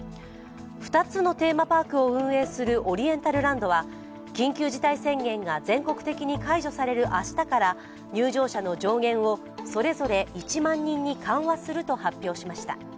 ２つのテーマパークを運営するオリエンタルランドは緊急事態宣言が全国的に解除される明日から、入場者の上限をそれぞれ１万人に緩和すると発表しました。